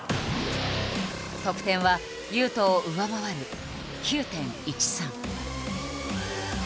得点は雄斗を上回る９．１３。